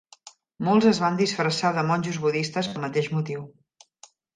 Molts es van disfressar de monjos budistes pel mateix motiu.